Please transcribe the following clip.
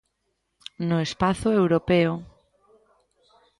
No Espazo europeo.